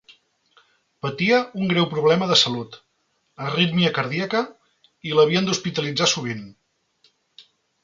Patia un greu problema de salut, arítmia cardíaca, i l'havien d'hospitalitzar sovint.